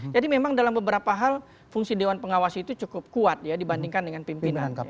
jadi memang dalam beberapa hal fungsi dewan pengawas itu cukup kuat ya dibandingkan dengan pimpinan